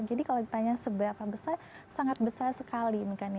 jadi kalau ditanya seberapa besar sangat besar sekali